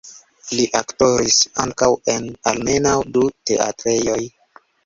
Li aktoris ankaŭ en almenaŭ du teatrejoj.